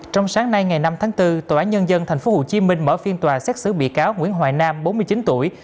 trong sáng nay ngày năm tháng bốn tòa án nhân dân tp hcm mở phiên tòa xét xử bị cáo nguyễn hoài nam bốn mươi chín tuổi